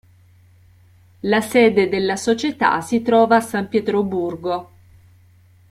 La sede della società si trova a San Pietroburgo.